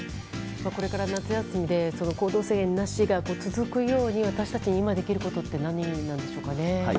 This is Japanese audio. これから夏休みで行動制限なしが続くように私たちに今できることって何でしょうかね。